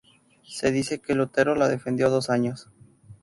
Se dice que Lutero la defendió dos años.